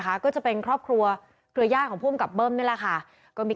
คะก็จะเป็นครอบครัวคือญาติของคุมกับเบิ้มนี้ล่ะคะก็มี